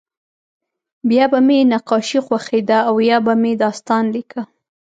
بیا به مې نقاشي خوښېده او یا به مې داستان لیکه